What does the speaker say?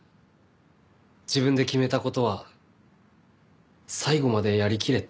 自分で決めた事は最後までやりきれって。